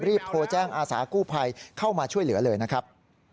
โทรแจ้งอาสากู้ภัยเข้ามาช่วยเหลือเลยนะครับ